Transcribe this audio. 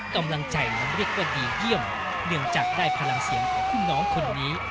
กำลังใจนั้นเรียกว่าดีเยี่ยมเนื่องจากได้พลังเสียงของรุ่นน้องคนนี้